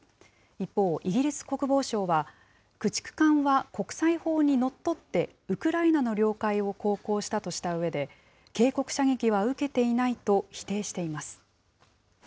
一方、イギリス国防省は、駆逐艦は国際法にのっとってウクライナの領海を航行したとしたうえで、警告射撃は受けていないと否定しています。